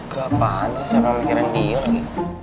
gapahan sih siapa mikirin dia lagi